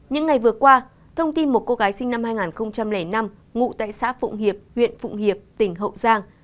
những ngày vừa qua thông tin một cô gái sinh năm hai nghìn năm ngụ tại xã phụng hiệp huyện phụng hiệp tỉnh hậu giang